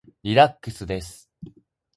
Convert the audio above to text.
リラックスです。